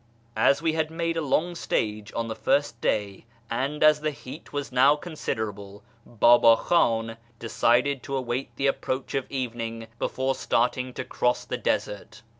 As we had made a long stage on the first day, and as the heat was now considerable, Baba Khan decided to await the approach of evening before starting to cross the desert.